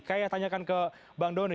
kayak yang ditanyakan ke bang doni